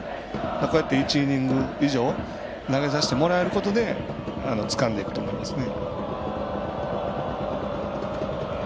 こうやって１イニング以上投げさせてもらえることでつかんでいくと思いますね。